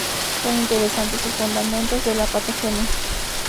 Son interesantes sus "Fundamentos de la Patogenia.